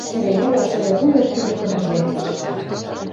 Цӓрӓяла, цӓравуя тӱгӹ кыргыж лӓктеш.